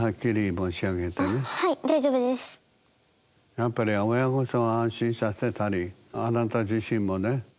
やっぱり親御さんを安心させたりあなた自身もね